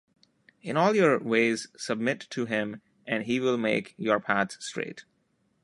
In all your ways submit to him and he will make your paths straight.”